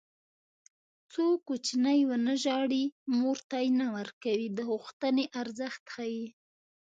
څو کوچنی ونه ژاړي مور تی نه ورکوي د غوښتنې ارزښت ښيي